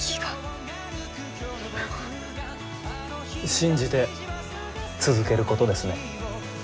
信じて続けることですね。